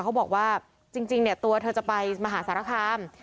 เขาบอกว่าจริงเนี่ยตัวเธอจะไปมหาสารคาม